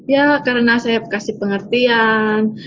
ya karena saya kasih pengertian